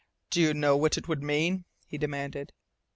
"Do you know what it would mean?" he demanded.